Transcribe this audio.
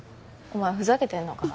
お前ふざけてんのか？